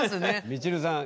みちるさん